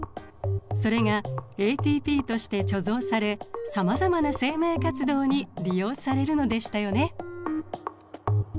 それがＡＴＰとして貯蔵されさまざまな生命活動に利用されるのでしたよね。